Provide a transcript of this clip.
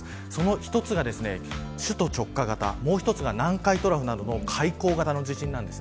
その１つが首都直下型もう１つは南海トラフなどの海溝型の地震です。